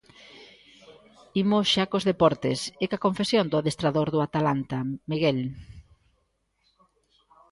Imos xa cos deportes, e coa confesión do adestrador do Atalanta, Miguel.